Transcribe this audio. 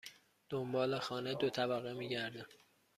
دنبال خانه دو طبقه می گردم.